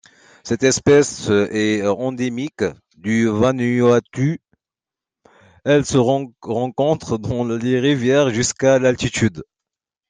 Cette espèce est endémique du Vanuatu, elle se rencontre dans les rivières jusqu'à d'altitude.